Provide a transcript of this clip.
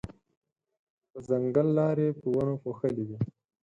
د ځنګل لارې په ونو پوښلې وې.